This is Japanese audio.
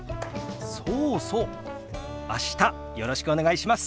そうそう明日よろしくお願いします。